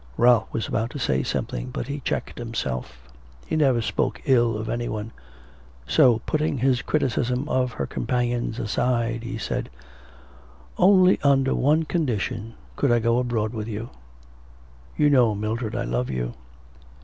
Ralph was about to say something, but he checked himself; he never spoke ill of any one. So, putting his criticism of her companions aside, he said: 'Only under one condition could I go abroad with you. You know, Mildred, I love you.'